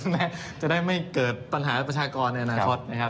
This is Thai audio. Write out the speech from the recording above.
และจะได้ไม่เกิดปัญหาประชากรในอนาคตนะครับ